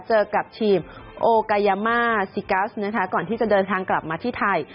เจอกับทีมโอกายามาซิกัสนะคะก่อนที่จะเดินทางกลับมาที่ไทย